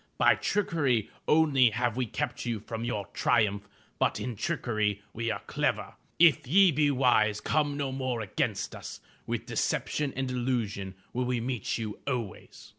By trickery only have we kept you from your triumph, but in trickery are we clever. If ye be wise come no more against us. With deception and illusion will we meet you always.